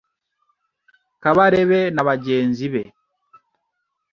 Kabarebe na bagenzi be